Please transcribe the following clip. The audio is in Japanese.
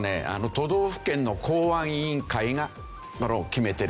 都道府県の公安委員会が決めてるんですね。